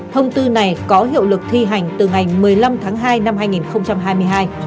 thông tư này có hiệu lực thi hành từ ngày một mươi năm tháng hai năm hai nghìn hai mươi hai